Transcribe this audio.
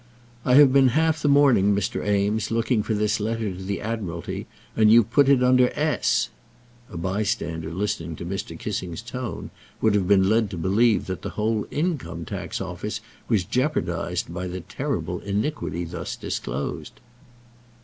"I have been half the morning, Mr. Eames, looking for this letter to the Admiralty, and you've put it under S!" A bystander listening to Mr. Kissing's tone would have been led to believe that the whole Income tax Office was jeopardized by the terrible iniquity thus disclosed.